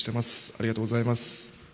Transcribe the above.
ありがとうございます。